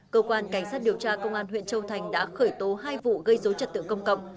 cơ quan cảnh sát điều tra công an huyện châu thành đã khởi tố hai vụ gây dối trật tự công cộng